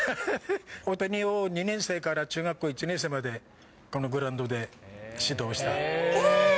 大谷を２年生から中学校１年生まで、このグラウンドで指導した。